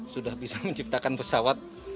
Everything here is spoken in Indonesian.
sudah bisa menciptakan pesawat